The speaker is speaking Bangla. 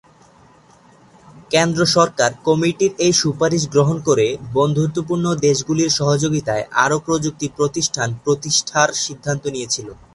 কেন্দ্র সরকার কমিটির এই সুপারিশ গ্রহণ ক'রে বন্ধুত্বপূর্ণ দেশগুলির সহযোগিতায় আরও প্রযুক্তি প্রতিষ্ঠান প্রতিষ্ঠার সিদ্ধান্ত নিয়েছিল।